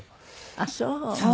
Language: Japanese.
ああそう？